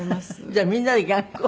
じゃあみんなで頑固？